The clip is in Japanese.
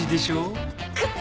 くっ。